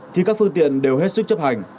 thì các phương tiện đều hết sức chấp hành